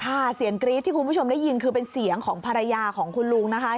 ค่ะเสียงกรี๊ดที่คุณผู้ชมได้ยินคือเป็นเสียงของภรรยาของคุณลุงนะคะ